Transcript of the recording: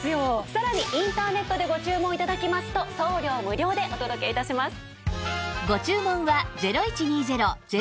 さらにインターネットでご注文頂きますと送料無料でお届け致します。